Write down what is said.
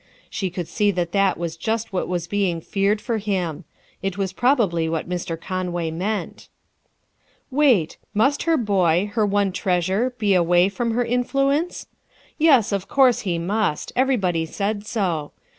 She could see that that was just what was being feared for him; it was probably what Mr. Conway meant. Wait, must her boy, her one treasure, be away from her influence? Yes, of course he must; everybody said so.